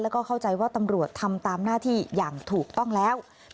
แล้วก็เข้าใจว่าตำรวจทำตามหน้าที่อย่างถูกต้องแล้ว